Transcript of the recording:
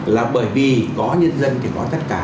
là bởi vì có nhân dân thì có tất cả